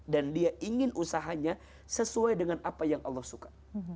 dan dia ingin usahanya sesuai dengan apa yang allah suka